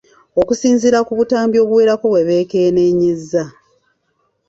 Okusinziira ku butambi obuwerako bwe beekenneenyezza.